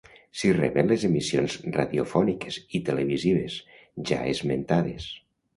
S'hi reben les emissions radiofòniques i televisives ja esmentades.